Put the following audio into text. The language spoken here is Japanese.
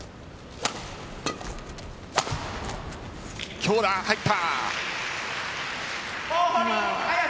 強打、入った。